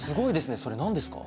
それ何ですか？